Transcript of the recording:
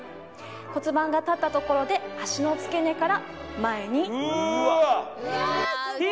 骨盤が立ったところで脚の付け根から前にうーわＴ！